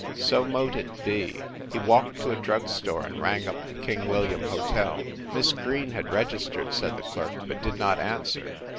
So mote it be! He walked to a drug store and rang up the King William Hotel. Miss Green had registered, said the clerk, but did not answer.